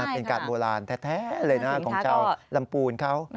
เป็นการโบราณแท้เลยนะของชาวลำปูนเขา